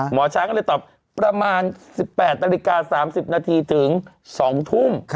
หมอช้างก็เลยตอบประมาณ๑๘นาฬิกา๓๐นาทีถึง๒ทุ่ม